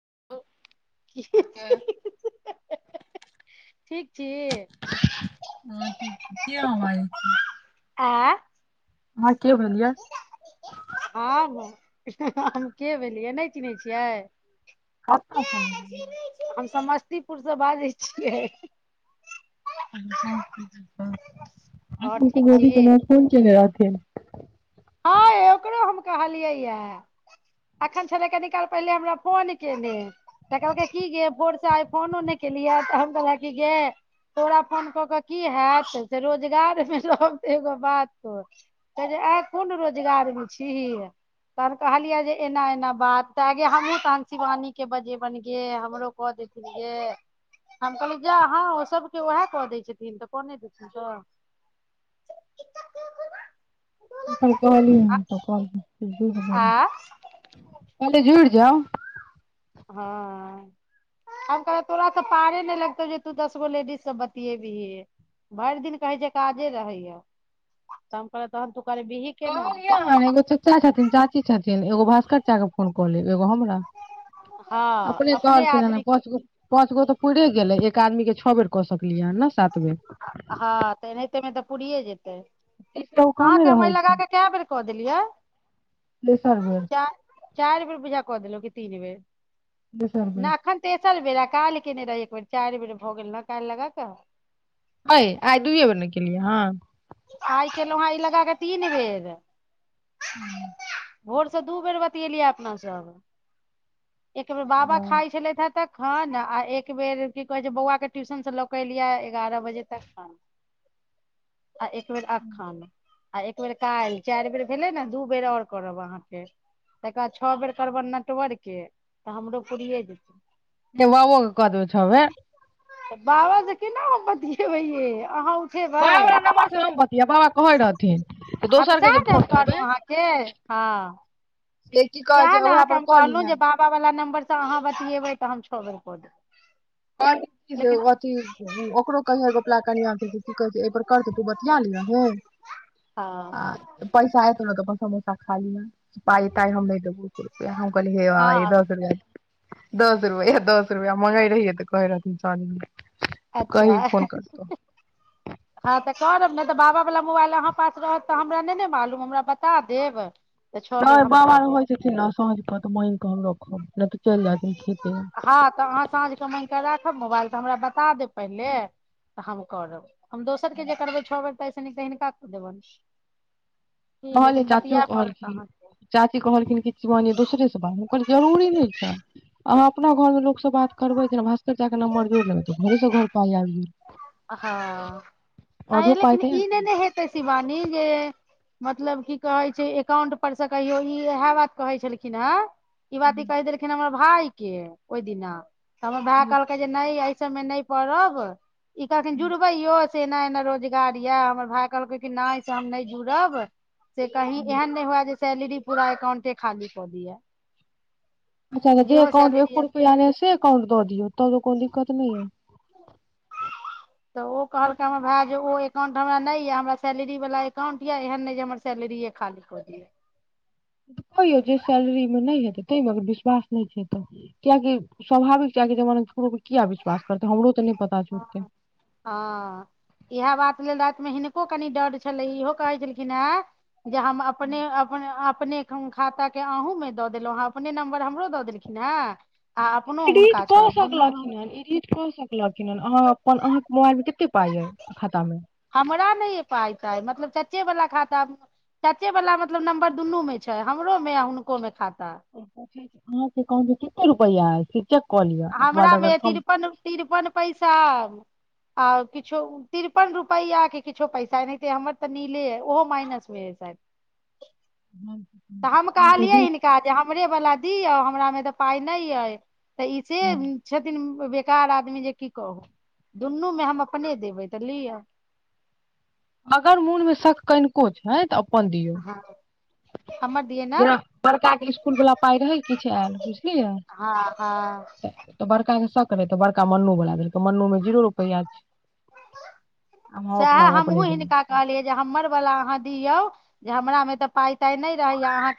[inaudible] की [unintelligible] के छी? ठीक छी आहां बाजय छी आ अहाँ के भेलियै हम के भेलियै नहि चिन्है छियै [unintelligible] समस्तीपुरसँ बाजै छियै [unintelligible] [unintelligible] आओर फोन ठीक छी केने रहथिन हँ ये ओकरो हम कहलियै य एखन छलै कनि काल पहिले हमरा फोन केने तऽ कहलकै की जे भोरसँ आइ फोनो नहि केलियै तऽ हम कहलक कि गे तोरा फोन कऽ कऽ की हैत से रोजगारमे रहब त एगो बातो कोन रोजगारमे छीही तहन कहलियै जे एना एना बात त हमहुँ तहन शिवानी के बजेबनिे गे हमरो कऽ देथिने हम कहलियै ओ सबके ओएह कऽ दै छथिन तऽ कऽ नहि देथिन त आ [unintelligible] जाउ हँ हम कहे तोरा त पारे नहि लगतौ जे तू दस गो लेडीज स बतियेबिहे भरि दिन कहय छैय काजे रहय या त हम क तहन तु कहलिय हन एगो चचा छथिन चाची छथिन एगो भास [unintelligible] एगो हमरा हँ अपने कहलखिन आदमी के पाँच गो पाँच गो तऽ पुईरे गेलै का मी के छओ बेर कऽ सकलियै ह ने सात बेर हँ अनाहिते मे तऽ पूरीए जे तीसटा ओ आहाँ कमे के हम अय रहै लगा छै के कय बेर क देली [unintelligible] [unintelligible] बेर चारि बेर पूजा क देल कि तीन बेर [unintelligible] चल बेरा काल किने रह एक बेर चारि बेर भऽ गेल ने काल्हि लगा क अय आइ दुए बेरने केलियै हँ आइ केलहुँ हेँ अ य लगा कऽ तीन बेर हू भोरसँ दू बेर बतएलियै अपना सब एक बेर बाबा हँ खाइ छलथि ह तक हां ने आ एक बेेर की कहै छैय बौआ के ट्यूशन से लऽ के एलियै एगारह बजे तखन आ एक बेर अखन आ एक बेर काल्हि चारि बेर भेले ने दू बेर आओर करब अहाँके तकर बाद छओ बेर करबनि नटवर् के तऽ हमरो पूरिये जेतै ए व वो के क देबय छओ बेर तऽ बाबा से केना हम बतियेबै यै अहाँ बाबा खेबय वला नम्बर से हम बतीयेएबै कहै रहथिन हँ तऽ दोसर के जे सएह ने फोन हम करबै कहलहुँ से की कहै सयह छै ने उएह अहाँके पर हम कऽ कहलहुँ लिहे जे बाबा वला नम्बर तऽ अहाँ बतियेबै तऽ हम छओ बेर क' देब लेकिन अथी ओकरो कयहैं गोपला कनियाकें की कहै छै एहिपर करते तू बतिया लियही हँ आ पैसा एतै ने तऽ समोसा खालीहन पाइ पाइ हम नै देबौ एको रूपया हम कहलिय भैया हँ ई दस रुपैया दस रुपैया एह दस रुपैया मंगइ रहिययि तऽ कहर इसानी अच्छा हँ तऽ करब ने बाबा बला मोबाइल अहाँ पास रहत तऽ हमरा नए ने मालूम हमरा बता देब तऽ छओ बेर नहि हम बाबा कऽ देब रहइ छथिन ने साँझ क' त' मांगि क' हम रखब नहि त हँ तऽ अहाँ साँझके मगिकऽ राखब मोबाइल तऽ हमरा बता देब पहिले तऽ हम करब हम दोसर के जे करबै छओ बेर तैस नीक हिनका देबैन मानलियै चाचियो कहलखिन अहाँके चाची कहलखिन कि शिवानी दोसरे से बा हम कहलियै जरूरी ठीक छ आहाँ अपना घर मे लोक सं बात करबय की भासकर चच्चाकें नम्बर जोइड़ लेबै तऽ घरेसं घर पाइ आइब जे हँ आय अधो लेकिन पाइ ई नहि क ने हेतै शिवानी जे मतलब की कहय छै एकाउंट पर से कहियो ई इएह बात कहय छलखिन हेँ ई बात ई कहि देलखिन हम भाय के ओहि दिना त हमर भाइ कहलकय जे नहि सभमे नहि परब ई कहलखीन जुरबै यौ एना एना रोजगार यऽ हमर भाय कहलकै कि नहि से हम नहि जुड़ब से कही एहन नहि हुए जे सैलरी पूरा अकाउंटे खाली क' दिए अच्छा त' जे एकाउंटमे एको रूपया रहै छै कांउट दऽ दियौ तऽ कोनो दिक्कत नहि य [inaudible] तऽ ओ कहलकै हमरा भाय जे ओ एकाउंट हमरा नहि यए हमरा सैलरी वला एकाउंट यए एहन नहि जे हमर सैलरिए खाली कऽ दि कहियौ जे सैलरी मे नहि हेतै ताहि मे अगर विश्वासा नहि छै तऽ कियकि स्वाभाविक छै जमाना किया विश्वास करते हमरो तऽ नहि पता छै ओते राति मे हिनको कनि डर छलै इहो कहै छलखिन हे जे हम अपने अपने अपने हम खाताे अहूँमे दऽ देलहुँ हेँ अपने नम्बर हमरो दऽ देलखिन हेँ आ अप एडिट कऽ सकलखिन एडिट कऽ सकलखिन अहाँ अपन अहाँके मोबाइल कते पाय कि खाता मे हमरा नहि पााइ ताय मतलब चाचेवला खाता चाचेवला मतलब नम्बर दुनूमे छै हमरोमे आ हुनकोमे खाता अहाँ के एकाउंट मे कते रुपआ अय ठीक हमरामे तिरपन तिरपन पैसा आ किछो तिरपन रुपैआके किछो पैसा एनाहिते हमर तऽ नीले अइ ओहो माइनस भ तऽ हम कहलियै यदि हिनका जे हमरे वालला दी हमरामेऽ पाय नहि अय तऽ इसे छथिन बेकार आदमी जे की कहू दुनूमे हम अपने देबै तऽ लिअ अगर मोनमे शक कनिको छै तऽ हमर दियै [inaudible] ने जेना बड़का के इसकुल वला पाइ रहै किछु आयल बुझलियै तऽ बड़का के कर त बड़का मनु बड़ा देलकै मनु मे जीरो रुपैआ छै आ हम सएह अपना मे अपने हमहूँ देने हिनका छी कहलियै जे हमरवला अहाँ दियौ जे हमरा मे तऽ पााय ताय नहि रहैया अहाँ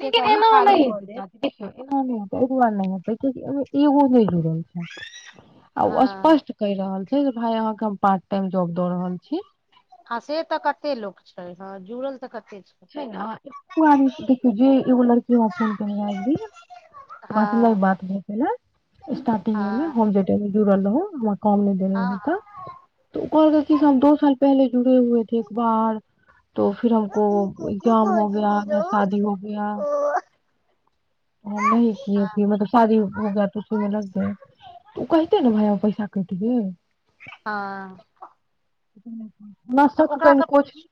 लेकिन एना नय हेतय देखियो एना नय होतय एहि द्वारे नय होयतय कि ईहो बुझय आ ओ हँ असपष्ट कहि रहल भइ अहाँके हम पार्ट टाइम जब दऽ रहल छी अच्छा हँ जूरल त आदमी देखियौ जे एगो लड़की हमरा फन कली बात हँ बात भ प स्टारटिंग मे मे हँ होम थियटर मे जुड़ल रहू व काम नहि देने हँ रहता हँ त कहल कि हम दो साल पहिले जुड़े हुए एक बार त फिर हमको काम हो गया आगे शादी हो गया हम नहि किए फिर मतलब शादी हो ग तऽ उसी मे लग गए तो कहते ने भााय पैसा [unintelligible] हँ [inaudible] तऽ शक ओकरा स कनिको छै पूछही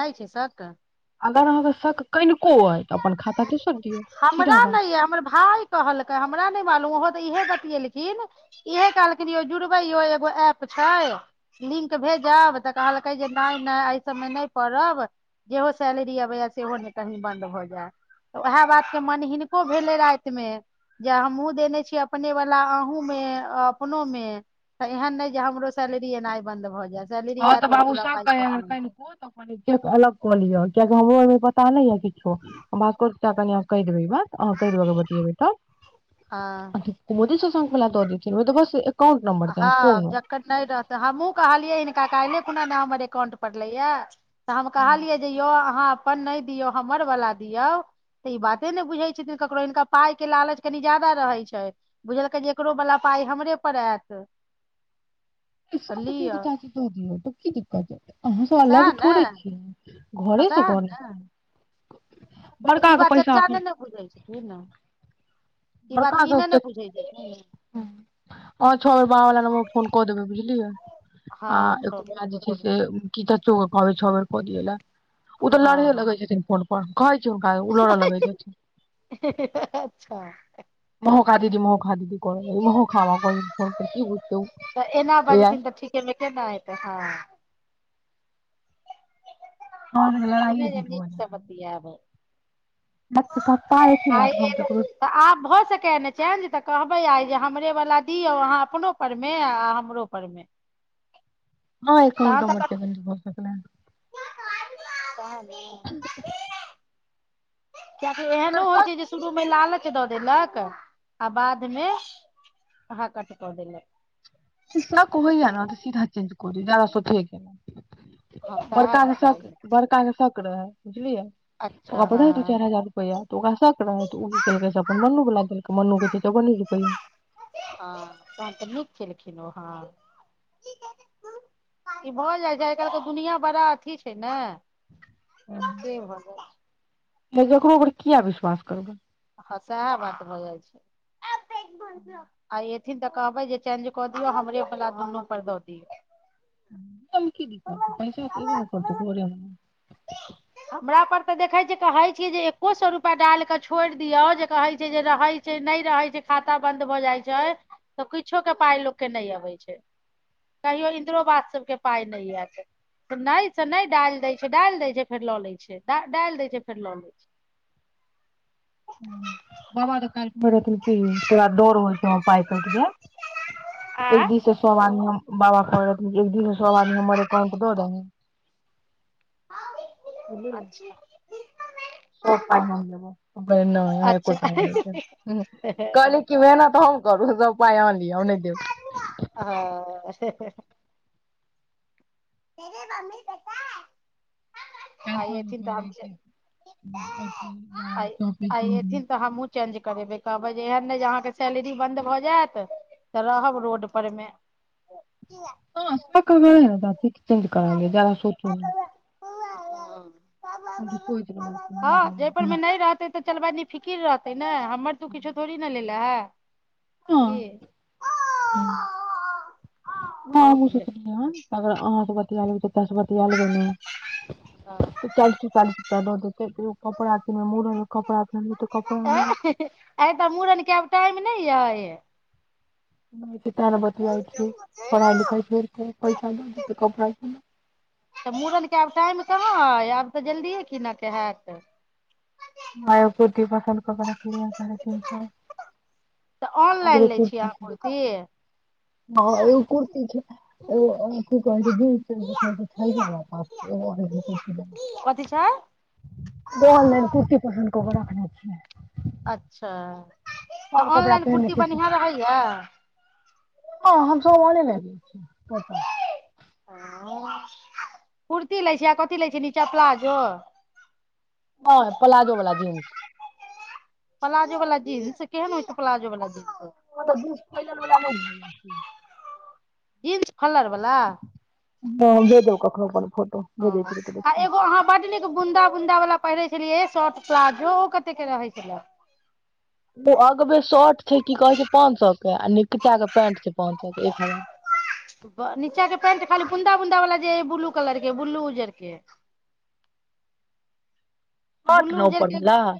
नहि छैय सक क अगर अहाँके शक कनिको अय त अपन खाता क हमरा नहि यै हमर भाय कहलकै हमरा नहि मालूम ओहो इहे बतिलखिन इह कहलखिन यौ जुड़बै यौ एगो एप छैय लिंक भेजब तऽ कहलकै जे नहि नहि एहि सबमे नहि पड़ब जेहो सैलेरी अबैया सेहो ने कही बन्द भ जायऽ ओएह बात के मन हिनको भेलय राति मे जे हमहुं देने छीयय अपने वाला अहुं में अपनो में त एहन ने जे हमरो सैलरी एनाय बंद भ जाय सैलरी हँ तऽ आयत ओ बाबू पूरा सब पाइ कह कटि नहि जाय कनिको त अलग कऽ लिय कियकि हमरो पता नई अई किछो बात कर क कहि देबै ई बात अ कहि देब के बतेबै तऽ हँ मोदी सब तब केला द देथीन ओ त बस एकाउंट नंबर हँ चाही कोनो जकर नहि रहतै हमहु कहलियै हिन का काइले खुना न हमर एकाउंट पड़लैया तऽ हम कहलियै जे यौ अहाँ अपन नहि दियौ हमर वाला दियौ तऽ ई बाते ने बुझे छथिन ककरो हिनका पाई के लालच कनि ज्याददा रहे छैय बुझलकै जे एकरो वाला पााय हमरे पर आयत [inaudible] तऽ [unintelligible] लिअ दियौ त की दिक्कत हय आँहां त अलग थोड़े छियय हां सेहा ने तऽ बड़का ई के बात पैसा चचा एखन नई ने बुझै छथिन ई बात बड़का ई नहि के ने च बुझैत छथिन छओ बेर बाबा वला नम्बर फोन कऽ देबै बुझलियै हँ आ एकर छोटे बाद जे छोटे छैय से की [unintelligible] बेर क दिय लेल ओ त लाड़हे लगई छथीन फोन प प हे हे हे अच्छा मोहखा दीदी मोहोखा दीदी कर ल मह खा फोन ब तऽ एना बाजथिन तऽ ठीकेमे केना हेतै हँ तहन ई लड़ाइये नाई जे बीच भऽ निक स बतियाईब [unintelligible] ने आय तऽ हम ककरो एक आब भ सकय ये नय चेंज तक कहबै आइ जे हमरे वला दियौ अहाँ अपनो पर मे आ हमरो परमे हँ एकाउंट नंबर चली गेलो देखल कहन [inaudible] कियाकि एहनो अगर होइत छै शक जे शुरू में लालच कट दऽ देलक आ बाद मे ह कट कऽ देलक शक होइया आहा के त सीधा चेंज कर दियो ज्यादा सोचहे के नई हँ सएह कहतै छाई बड़का के शोख रहै बुझलियै अच्छा ओकरा हँ पढ़े दू चार हजार रुपैआ तऽ ओकरा शक रह ओ की केलकै से अपन मनू वाला देखकय मन्नू के छैइ चौबन्नी रुपैआ हँ तहन तऽ नीक केलखिन ओ ह ई भऽ जाइ छै आइ काल्हि के दुनिया बड़ा अथी छय नय कि भ जाइय छय नहि ककरो पर किये विश्वास करबै हँ सेहे बात भ जाइ छैइ आये एथिन तऽ कहबै जे चेंज कऽ दियऔ हमरे बला दुनू पर दऽ दियौ की दिक करत प ने करत कोर हमरा पर तऽ देखैत छ कहैत छियै जे एक्को सौ रुपा डाल कऽ छोड़ि दियौ जे कहैत छय जे रहैत छय नहि रहैत छय त खाता बन्द भऽ जाइ छय तऽ किछोके के पाइ लोकके नहि अबै छय कहियो इन्दिरो आवास सभके पाइ नई आयत नहि से नई डालि दैत छय डालि दैत छय फेर लऽ लए छय डालि दै छय फेर लऽ लए छय बाबा त काल्ह कहने रहथिन की तोरा डर होइ छौ हमर पाय कटि जाय आ एक दिस स सब आदमी बाबा त कहने रहथिन कि एक दिस से सब आदमी हमर अकाउंट दऽ दहूँ अच्छा सब पाइ हम लेबौ नहि एको अच्छा रूपैया नई लेबै कहली कि मेहनत हम करू सब पाइ अहां लिअ हम नई देब ह मेरे मम्मी देता है क स कहै कि अथी ब आइ चौके आइ की एथिन तऽ हमहूँ चेंज करेबै कहबै जे एहन नहि जे अहाँके सैलरी बन्द भऽ जायत तऽ रहब रोड पर मे हँ स के दातिक चेंज करा लिया जादा सोचू न ह हँ जयपुर मे छी नई रहतै तऽ चल भाई निफिकी फिर रहतै नय हम्मर तू किछो थोड़ी न लेल ह [inaudible] हँ [unintelligible] हो लालू गेलै चच्चासं बतीया लेबय न त' चालीस सए चालीस रुपैया द खियौ कहियो कपड़ा किनयमे म [unintelligible] अय हे हे हे आये त मुरन कर टाइम नहि अय नहि तन बतिआइ छी पढ़ाई लिखाइ छोइड़कें पैसा द दे [unintelligible] तऽ मूड़नके आब टाइम कहाँ अइ आब तऽ जल्दिए कीनऽ के हैत [unintelligible] तऽ ऑनलाइन लै छियै अहाँ कुर्ती कथी छै [unintelligible] कयमे रखने छियै अच्छा तऽ सब कपड़ा ऑनलाइन पहिनै कुर्ती छियै बढ़िआँ रहैया हँ हम सभ औनेलाइन हं कुर्ती लै छै आ कथी लै छै नीचा प्लााजो हँ प्लााजो वला जीन्स जीन्स केहन होइ छै प्लाजो बला जीन्स कत्ते जीन्स फैलल बला नै रहय हं न्स फलर बला हम भेजब कखनो अपन फोटो ओ भेजै छी रुकू आ देखियौ एगो अहाँ बड नीक बूंदा बुंदा वाला पहिरय छलियै शट प्लाजो ओ कते के रहै छलय ओ अगबे शट छै की कहय छै पाँच सौ के आ नीचाके पेंट छै पाँच सौ के एक हजार नीचा के पेंट खाली बुन्दा बुन्दा वाला जे ब्लू कलर के बुलू उजर के हट न उपर भेलए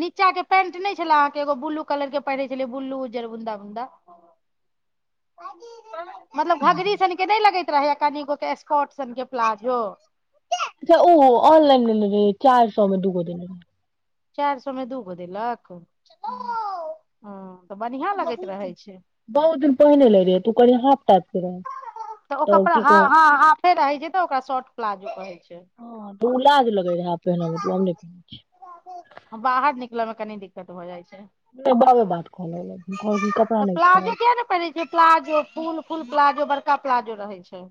नीचाकें पेंट नहि छलय अहाँकें एगो बूलू कलरकें पहिरय छलय बूलू उजर बुन्दा बुन्दा मतलब घघरी सन के नहि लगे रहैय कनीगोकें स्कॉटसनकें प्लाजो अच्छा ओहो आनलाइन लेने रहय चार सौ मे दूगो देने रहय चार सौ मे दूगो देलक [inaudible] हं नै बहुत दिन बहुत दिन पहिने लेलियै तू कहलि होतइ [inaudible] तऽ ओ कपड़ा हा हा हाफे रहि जेतइ ओकरा शॉर्ट प्लाजो कहय छै उ लाज लगय रहय पहिनयमे आब नै पहिनय छियै लमे कनी दिक्कत भ' जाइ छै नहि बाबे बात कहलग लखिन कहलखिन कपड़ा तऽ नहि छै फुल प्लाजो बड़का प्लाजो रहय छै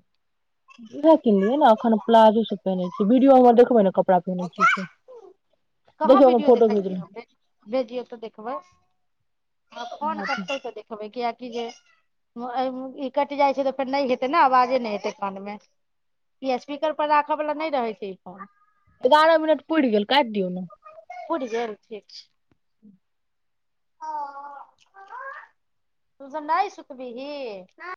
उएह किनलियै ने अखन प्लाजो सब पहिने छै वीडियो आओरमे देखबै ने कप ड़ा पेनहय छीयै से कहाँ देखियौ ओकर वीडियो फोटो देखै छियै भेजलौं हम भेजियौ तऽ देखबय फोन इहै छै करतै तऽ देखबय कियाकी जे ई कटि जाइ छै तऽ फेर नहि हेतै ने आवाजे नहि हेतै कान मे ई स्पीकर पर राखय बला नहि रहय छै ई फोन एगारह मिनट पूइड़ गेल काइट दिऔ ने पूइड़ गेल ठीक छै तू सब नहि सुतबीहीं